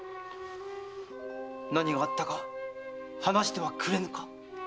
何があったか話してはくれぬか？